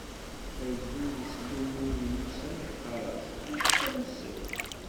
Agdud ittlummu di Musa, iqqar-as: D acu ara nsew?